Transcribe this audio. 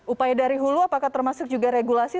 upaya dari hulu apakah termasuk juga regulasi